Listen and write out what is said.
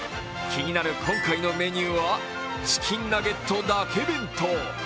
気になる今回のメニューはチキンナゲットだけ弁当。